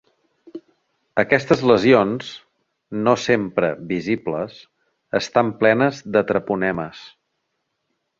Aquestes lesions, no sempre visibles, estan plenes de treponemes.